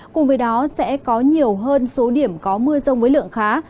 cùng với đó sẽ có nhiều hơn số điểm có mưa rông với lượng khá